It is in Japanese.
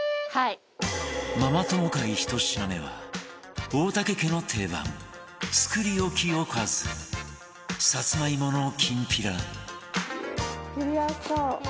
ママ友会１品目は大竹家の定番作り置きおかずサツマイモのきんぴら切りやすそう。